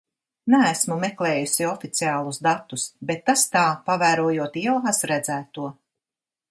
Neesmu meklējusi oficiālus datus, bet tas tā, pavērojot ielās redzēto.